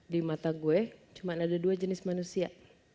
di mata gue cuma ada dua jenis manusia